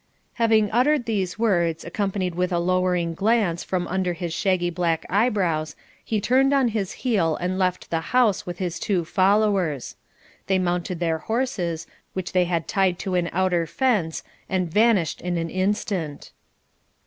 Having uttered these words, accompanied with a lowering glance from under his shaggy black eyebrows, he turned on his heel and left the house with his two followers. They mounted their horses, which they had tied to an outer fence, and vanished in an instant.